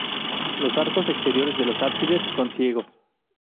Los arcos exteriores de los ábsides son ciegos.